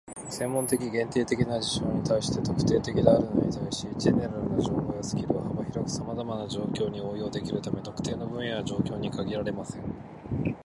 専門的、限定的な事象に対して「特定的」であるのに対し、"general" な情報やスキルは幅広くさまざまな状況に応用できるため、特定の分野や状況に限られません。